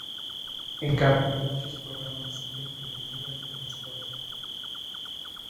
En cambio, muchos programas ven primitivas de transporte.